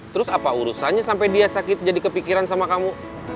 terus apa urusannya sampai dia sakit jadi kepikiran sama kamu